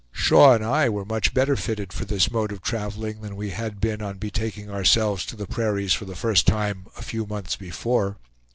Shaw and I were much better fitted for this mode of traveling than we had been on betaking ourselves to the prairies for the first time a few months before.